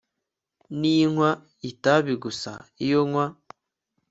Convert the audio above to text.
Ninywa itabi gusa iyo nywa